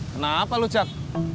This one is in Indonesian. kenapa lu jat